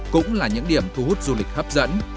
cũng là những điểm thu hút du lịch hấp dẫn